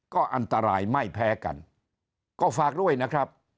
ก็อันตรายไม่แพ้กันก็ฝากด้วยนะครับ